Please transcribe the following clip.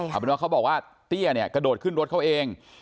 เอาเป็นว่าเขาบอกว่าเตี้ยเนี่ยกระโดดขึ้นรถเขาเอง